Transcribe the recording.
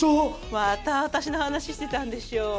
また私の話してたんでしょ。